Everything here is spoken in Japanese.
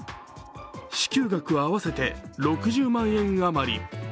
支給額は合わせて６０万円余り。